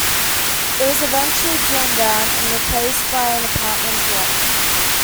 It was eventually torn down and replaced by an apartment block.